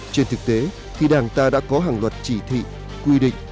trên thực tế khi đảng ta đã có hàng loạt chỉ thị quy định